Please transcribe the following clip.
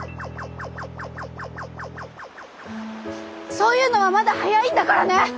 そういうのはまだ早いんだからね！